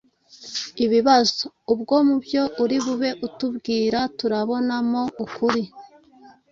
ibibazo. Ubwo mu byo uri bube utubwira turabonamo ukuri